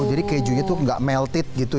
jadi kejunya tuh gak melted gitu ya